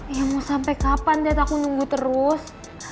ya mau sampe kapan dad aku nunggu terus